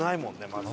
まず。